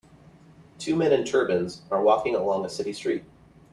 Two men in turbans are walking along a city street.